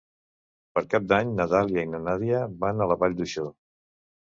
Per Cap d'Any na Dàlia i na Nàdia van a la Vall d'Uixó.